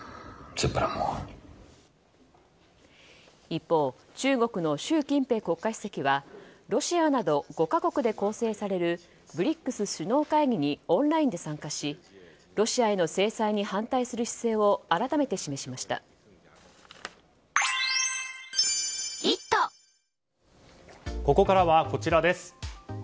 一方、中国の習近平国家主席はロシアなど５か国で構成されるＢＲＩＣＳ首脳会議にオンラインで参加しロシアへの制裁にここからはこちらです。